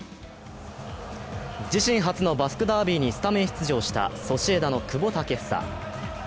自身初のバスクダービーにスタメン出場したソシエダの久保建英。